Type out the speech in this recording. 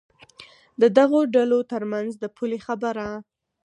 د دغو ډلو تر منځ د پولې خبره.